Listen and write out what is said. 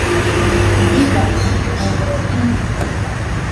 ilivyo adhimishwa huko jijini bujumbura